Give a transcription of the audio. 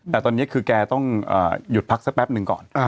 แต่ตอนนี้คือแกต้องหยุดพักสักแป๊บหนึ่งก่อน